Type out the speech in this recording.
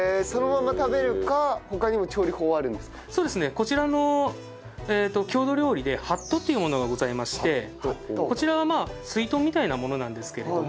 こちらの郷土料理で「はっと」というものがございましてこちらはすいとんみたいなものなんですけれども。